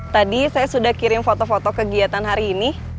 tadi saya sudah kirim foto foto kegiatan hari ini